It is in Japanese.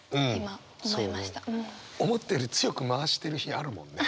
思ったより強く回してる日あるもんね。